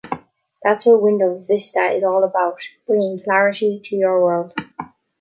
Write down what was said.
That's what Windows Vista is all about: bringing clarity to your world.